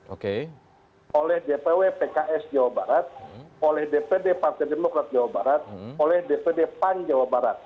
oleh dpw pks jawa barat oleh dpd partai demokrat jawa barat oleh dpd pan jawa barat